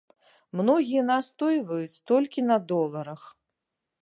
Многія настойваюць толькі на доларах.